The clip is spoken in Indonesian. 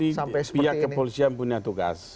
itu nanti pihak kepolisian punya tugas